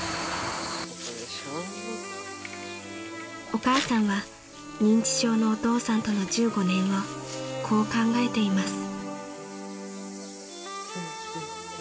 ［お母さんは認知症のお父さんとの１５年をこう考えています］